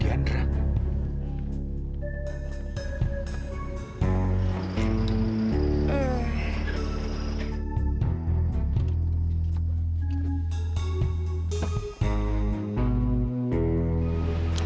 divideksi sama kata lalu